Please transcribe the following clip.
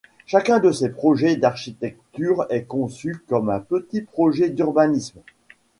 Chacun de ses projets d'architecture est conçu comme un petit projet d'urbanisme.